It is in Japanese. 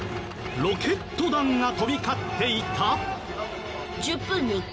ロケット弾が飛び交っていた？